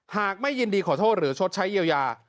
ไม่ยินดีขอโทษหรือชดใช้เยียวยา